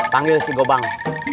penggil si gobang